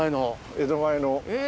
江戸前の。え！